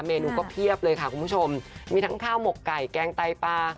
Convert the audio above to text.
เมนูก็เพียบเลยค่ะคุณผู้ชมมีทั้งข้าวหมกไก่แกงไตปลา